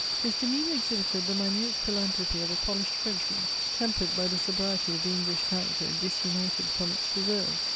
His demeanour exhibited the minute philanthropy of a polished Frenchman, tempered by the sobriety of the English character disunited from its reserve.